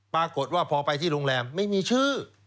ปรากฏว่าพอไปที่โรงแรมไม่มีชื่อ